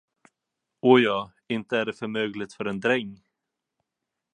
Åhja, inte är det för mögligt för en dräng!